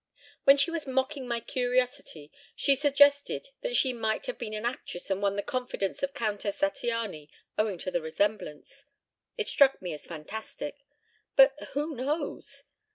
"When she was mocking my curiosity she suggested that she might have been an actress and won the confidence of Countess Zattiany owing to the resemblance. It struck me as fantastic, but who knows?